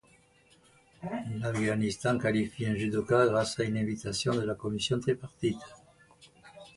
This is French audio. L'Afghanistan qualifie un judoka grâce à une invitation de la Commission tripartite.